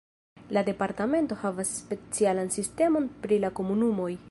La departemento havas specialan sistemon pri la komunumoj.